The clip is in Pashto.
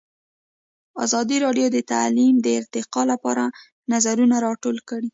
ازادي راډیو د تعلیم د ارتقا لپاره نظرونه راټول کړي.